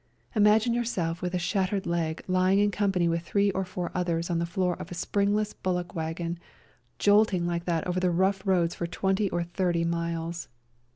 Imagine yourself with a shattered leg lying in company with three or four others on the floor of a springless bullock wagon, jolting like that over the rough roads for twenty or thirty miles.